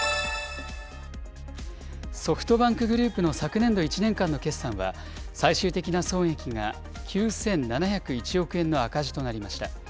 ソフトバンクグループの昨年度１年間の決算は、最終的な損益が９７０１億円の赤字となりました。